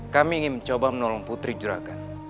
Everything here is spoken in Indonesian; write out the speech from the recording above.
kami ingin mencoba menolong putri juragan